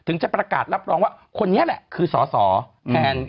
ถึงจะปรากฏและรับรองว่าคนนี้แหละคือสตตัว